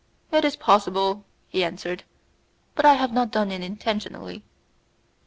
"It is possible," he answered, "but I have not done it intentionally."